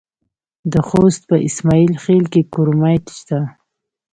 د خوست په اسماعیل خیل کې کرومایټ شته.